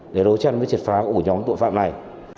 để đối tranh với triệt phá của nhóm tội phạm này